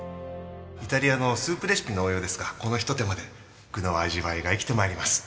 イタリアのスープレシピの応用ですがこのひと手間で具の味わいが生きてまいります。